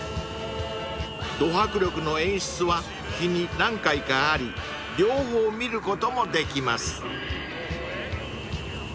［ど迫力の演出は日に何回かあり両方見ることもできます］